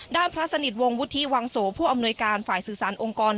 พระสนิทวงศ์วุฒิวังโสผู้อำนวยการฝ่ายสื่อสารองค์กร